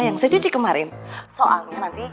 yang saya cuci kemarin soalnya nanti